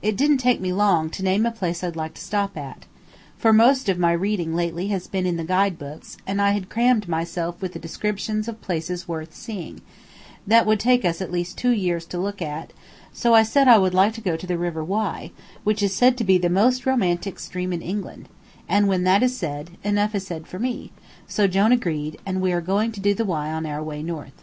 It didn't take me long to name a place I'd like to stop at for most of my reading lately has been in the guide books, and I had crammed myself with the descriptions of places worth seeing, that would take us at least two years to look at so I said I would like to go to the River Wye, which is said to be the most romantic stream in England, and when that is said, enough is said for me, so Jone agreed, and we are going to do the Wye on our way north.